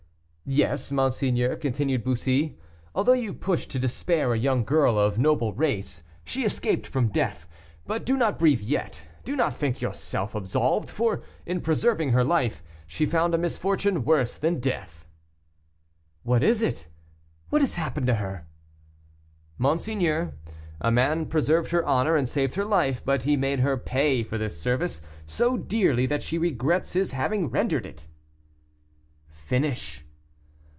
"Yes, monseigneur," continued Bussy, "although you pushed to despair a young girl of noble race, she escaped from death; but do not breathe yet, do not think yourself absolved, for, in preserving her life, she found a misfortune worse than death." "What is it? what has happened to her?" "Monseigneur, a man preserved her honor and saved her life, but he made her pay for this service so dearly that she regrets his having rendered it." "Finish."